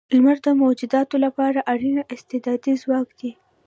لمر د موجوداتو لپاره اړین استعدادی ځواک دی.